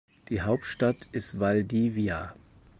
Die Hauptstadt ist Valdivia.